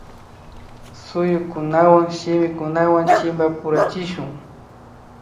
Shuyukunawan shimikunawan chimpapurachishun